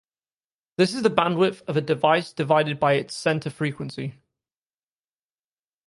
This is the bandwidth of a device divided by its center frequency.